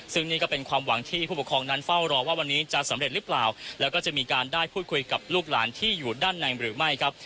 ซึ่งนี่ก็เป็นความหวังที่ผู้ปกครองนั้นเฝ้ารอว่าวันนี้จะสำเร็จหรือเปล่าแล้วก็จะมีการได้พูดคุยกับลูกหลานที่อยู่ด้านในหรือไม่ครับ